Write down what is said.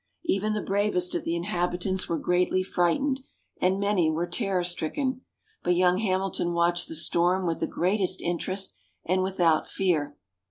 Even the bravest of the inhabitants were greatly frightened, and many were terror stricken. But young Hamilton watched the storm with the greatest interest and without fear.